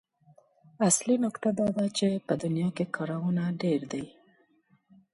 اصلي نکته دا ده چې په دنيا کې کارونه ډېر دي.